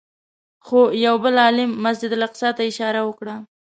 خو یوه بل عالم مسجد اقصی ته اشاره وکړه.